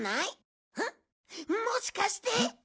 もしかして。